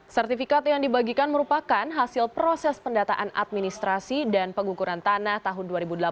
sertifikat yang dibagikan merupakan hasil proses pendataan administrasi dan pengukuran tanah tahun dua ribu delapan belas